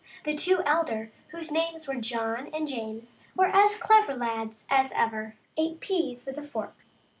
The two elder, whose names were John and James, were as clever lads as ever ate pease with a fork.